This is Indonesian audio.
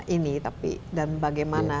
ini tapi dan bagaimana